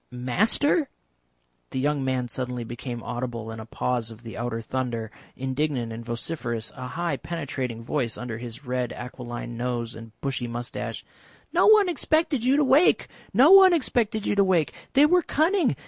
Master?" The younger man suddenly became audible in a pause of the outer thunder, indignant and vociferous, a high penetrating voice under his red aquiline nose and bushy moustache. "No one expected you to wake. No one expected you to wake. They were cunning.